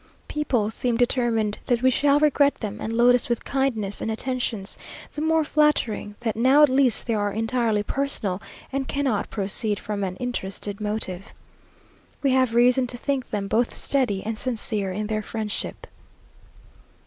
People seem determined that we shall regret them, and load us with kindness and attentions, the more flattering, that now at least they are entirely personal, and cannot proceed from any interested motive. We have reason to think them both steady and sincere in their friendship.